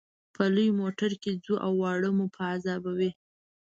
په لوی موټر کې ځو او واړه مو په عذابوي.